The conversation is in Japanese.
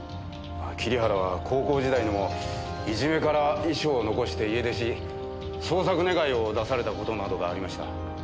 桐原は高校時代にもいじめから遺書を残して家出し捜索願を出された事などがありました。